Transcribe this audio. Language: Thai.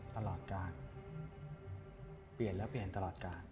ตลอดการเปลี่ยนแล้วเปลี่ยนตลอดการ